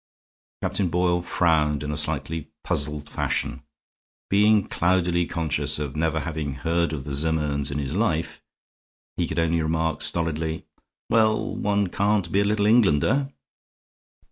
Captain Boyle frowned in a slightly puzzled fashion. Being cloudily conscious of never having heard of the Zimmernes in his life, he could only remark, stolidly: "Well, one can't be a Little Englander."